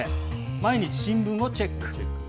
毎日新聞をチェック。